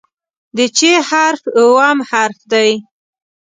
د "چ" حرف اووم حرف دی.